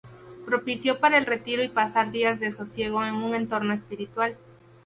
Propicio para el retiro y pasar días de sosiego en un entorno espiritual.